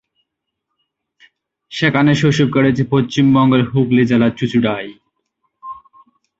সেখানে শৈশব কেটেছে পশ্চিমবঙ্গের হুগলি জেলার চুচুড়ায়।